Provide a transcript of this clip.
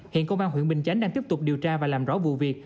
hiện công an huyện bình chánh đang tiếp tục điều tra và làm rõ vụ việc